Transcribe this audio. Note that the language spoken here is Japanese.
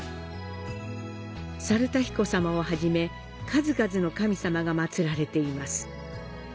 サルタヒコさまをはじめ、数々の神さまが祀られています。